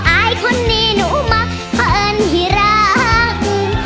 อายคนนี้หนูมักเพราะเอิญที่รัก